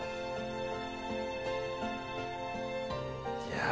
いや。